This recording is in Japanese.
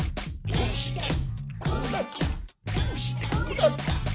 どうしてこうなった？」